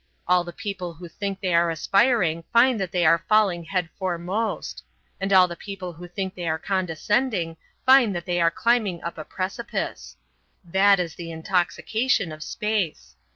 All the people who think they are aspiring find they are falling head foremost. And all the people who think they are condescending find they are climbing up a precipice. That is the intoxication of space.